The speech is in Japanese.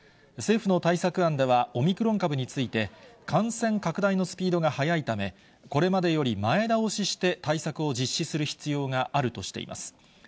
政府の対策案では、オミクロン株について、感染拡大のスピードが速いため、これまでより前倒しして対策を実施する必要があるとしています。